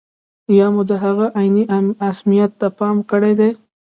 یا مو د هغه عیني اهمیت ته پام کړی دی.